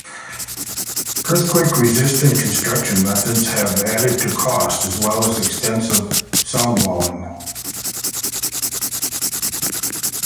Earthquake resistant construction methods have added to costs, as well as extensive soundwalling.